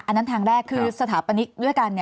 อันนั้นทางแรกคือสถาปนิกเรื่องการ